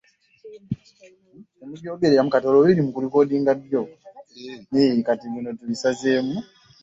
Teekamu abaana batono ddala.